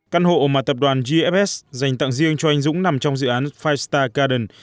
căn hộ mà tập đoàn gfs dành tặng riêng cho anh dũng nằm trong dự án năm star garden